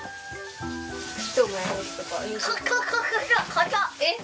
硬っ！